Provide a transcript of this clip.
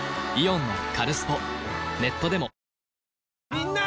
みんな！